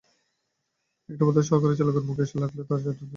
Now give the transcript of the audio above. একটি পাথর সহকারী চালকের মুখে এসে লাগলে তাঁর চারটি দাঁত ভেঙে যায়।